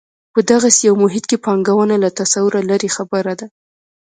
په دغسې یو محیط کې پانګونه له تصوره لرې خبره ده.